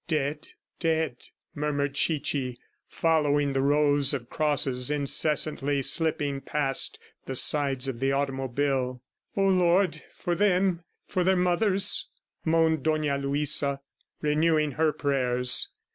"Dead ... dead," murmured Chichi, following the rows of crosses incessantly slipping past the sides of the automobile. "O Lord, for them! ... for their mothers," moaned Dona Luisa, renewing her prayers.